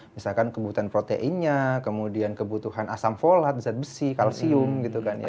misalkan kebutuhan proteinnya kemudian kebutuhan asam folat zat besi kalsium gitu kan ya